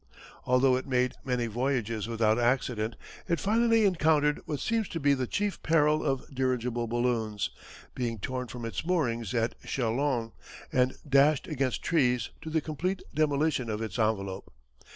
Although it made many voyages without accident, it finally encountered what seems to be the chief peril of dirigible balloons, being torn from its moorings at Châlons and dashed against trees to the complete demolition of its envelope.